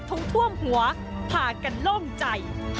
ถูกท่วมหัวผ่ากันโล่งใจ